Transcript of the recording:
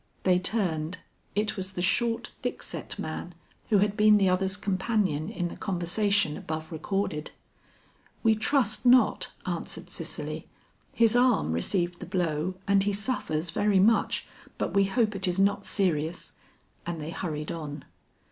They turned; it was the short thickset man who had been the other's companion in the conversation above recorded. "We trust not," answered Cicely; "his arm received the blow, and he suffers very much, but we hope it is not serious;" and they hurried on.